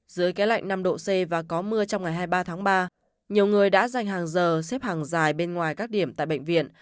dưới cái lạnh năm độ c và có mưa trong ngày hai mươi ba tháng ba nhiều người đã dành hàng giờ xếp hàng dài bên ngoài các điểm tại bệnh viện